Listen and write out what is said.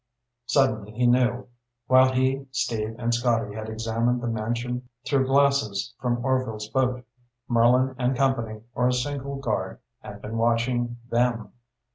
Suddenly he knew. While he, Steve, and Scotty had examined the mansion through glasses from Orvil's boat, Merlin and company, or a single guard, had been watching them.